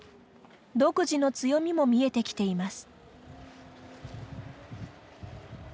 独自の強みも、見えてきています。